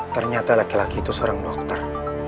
ternyata laki laki itu seorang dokter